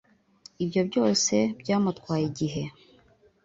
Ibyo byose byamutwaye igihe